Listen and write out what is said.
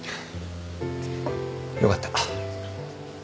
よかった。